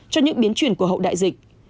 cho những biến chuyển của hậu đại dịch